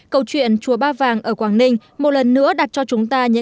câu chuyện chùa ba vàng ở quảng ninh một lần nữa đặt cho chúng ta những